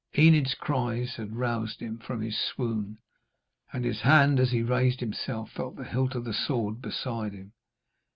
Enid's cries had roused him from his swoon, and his hand as he raised himself felt the hilt of the sword beside him.